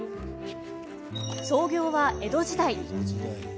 創業は江戸時代。